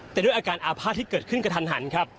แต่ด้วยอาการอาภาษณที่เกิดขึ้นกระทันหันครับ